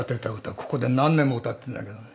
ここで何年も歌ってるんだけどね